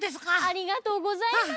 ありがとうございます。